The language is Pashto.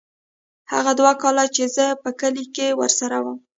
هغه دوه کاله چې زه په کلي کښې ورسره وم.